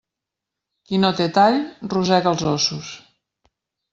Qui no té tall, rosega els ossos.